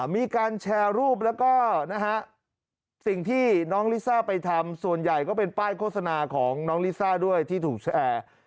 มีการแชร์รูปแล้วก็สิ่งที่น้องลิซ่าไปทำส่วนใหญ่ก็เป็นป้ายโฆษณาของน้องลิซ่าด้วยที่ถูกแชร์